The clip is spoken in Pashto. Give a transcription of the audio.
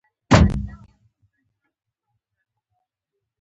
لیوه وږی بیرته لاړ او و یې ویل چې په ښځو باور مه کوئ.